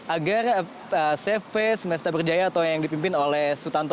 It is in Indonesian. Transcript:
agar cv semesta berjaya atau yang dipimpin oleh sutanto